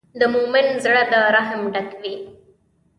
د مؤمن زړۀ د رحم ډک وي.